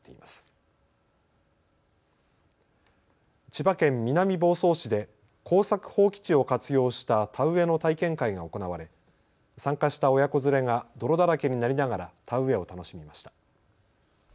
千葉県南房総市で耕作放棄地を活用した田植えの体験会が行われ参加した親子連れが泥だらけになりながら田植えを楽しみました。